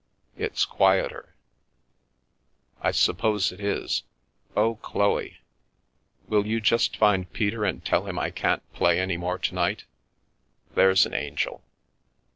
It's quieter." " I suppose it is. Oh, Chloe, will you just find Peter and tell him I can't play any more to night? There's an angel."